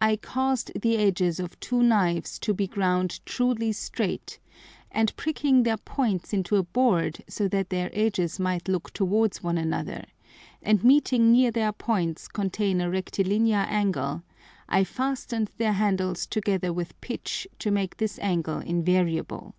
I caused the edges of two Knives to be ground truly strait, and pricking their points into a Board so that their edges might look towards one another, and meeting near their points contain a rectilinear Angle, I fasten'd their Handles together with Pitch to make this Angle invariable.